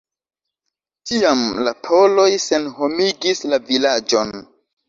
Tiam la poloj senhomigis la vilaĝon.